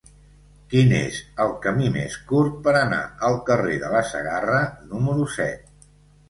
Quin és el camí més curt per anar al carrer de la Segarra número set?